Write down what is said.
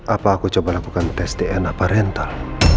apa aku coba lakukan tes dna parental